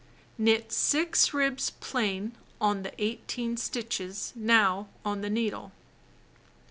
Knit 6 ribs plain on the 18 stitches now on the needle.